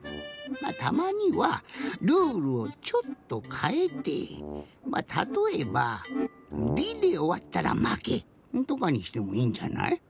たまにはルールをちょっとかえてたとえば「り」でおわったらまけとかにしてもいいんじゃない？